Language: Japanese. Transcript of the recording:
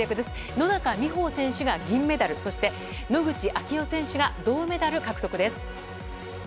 野中生萌選手が銀メダルそして野口啓代選手が銅メダル獲得です。